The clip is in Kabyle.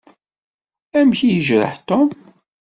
Amek i yejreḥ Tom?